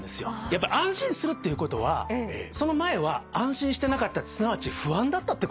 やっぱり安心するってことはその前は安心してなかったすなわち不安だったってことですよね？